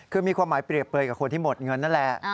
คือมีความหมายเปรียบเปลยกับคนที่หมดเงินนั่นแหละ